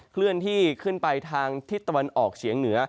เคลื่อนที่ขึ้นไปทางทิศตะวันออกเฉียงเหนือ